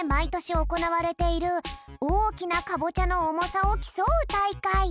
おこなわれているおおきなカボチャのおもさをきそうたいかい。